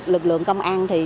lực lượng công an